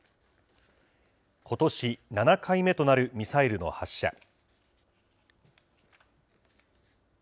ことし７回目となるミサイルの発射。